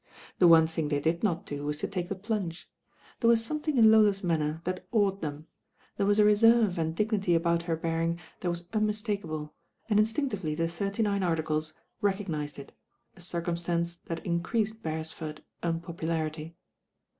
The one thing they did not do was to take the plunge. There was somethmg in Lola's manner that awed them. There was a reserve and dipiity about her bearing that was unmistakable, and mstinctively the Thirty Nine Articles recog nised It, a circumstance that increased Beresford's unpopularity.